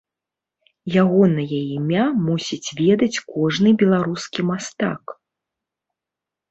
Ягонае імя мусіць ведаць кожны беларускі мастак.